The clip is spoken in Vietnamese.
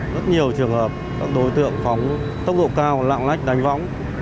rất nhiều trường hợp các đối tượng phóng tốc độ cao lạng lách đánh võng